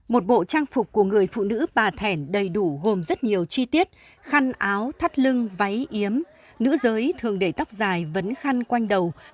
một bộ trang phục của người phụ nữ bà thẻn đầy đủ gồm rất nhiều chi tiết khăn áo thắt lưng váy yếm nữ giới thường để tóc dài vấn khăn quanh đầu